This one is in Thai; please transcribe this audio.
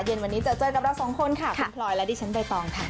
เย็นวันนี้เจอเจอกับเราสองคนค่ะคุณพลอยและดิฉันใบตองค่ะ